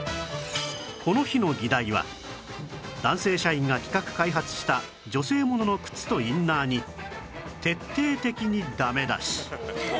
この日の議題は男性社員が企画・開発した女性ものの靴とインナーに徹底的にダメ出し